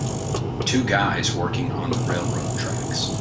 Two guys working on the railroad tracks.